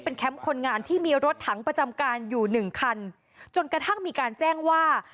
แคมป์คนงานที่มีรถถังประจำการอยู่หนึ่งคันจนกระทั่งมีการแจ้งว่า